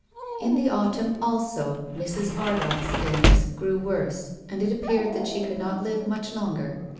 In the autumn also Mrs. Ardagh's illness grew worse and it appeared that she could not live much longer.